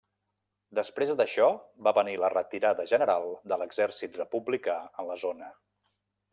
Després d'això va venir la retirada general de l'exèrcit republicà en la zona.